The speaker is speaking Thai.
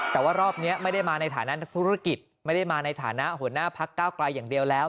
แต่ว่ารอบนี้ไม่ได้มาในฐานะนักธุรกิจไม่ได้มาในฐานะหัวหน้าพักเก้าไกลอย่างเดียวแล้ว